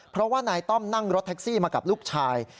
เพราะว่านายต้อมนั่งรถแท็กซี่มากับลูกชาย